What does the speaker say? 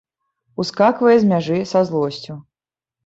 Ускаквае з мяжы са злосцю.